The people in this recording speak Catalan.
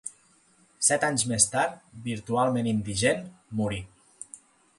Set anys més tard, virtualment indigent, morí.